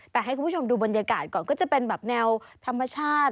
แต่ให้คุณผู้ชมดูบรรยากาศก่อนก็จะเป็นแบบแนวธรรมชาติ